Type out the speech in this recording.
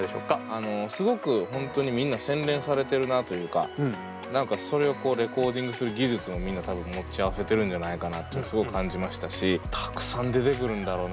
あのすごく本当にみんな洗練されてるなというか何かそれをこうレコーディングする技術もみんな多分持ち合わせてるんじゃないかなとすごく感じましたしたくさん出てくるんだろうな。